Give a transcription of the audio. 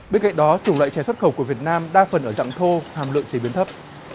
bên cạnh đó chủng loại chè xuất khẩu của việt nam đa phần ở dạng thô hàm lượng chế biến thấp